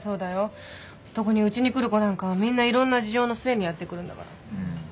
特にうちに来る子なんかはみんないろんな事情の末にやって来るんだから。